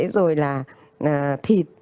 rồi là thịt